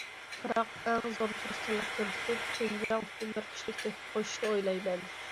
بىراق ئەڭ زور تىرىشچانلىق كۆرسىتىپ شىنجاڭ ئۈچۈن بىر كىشىلىك تۆھپە قوشۇشنى ئويلايمەن.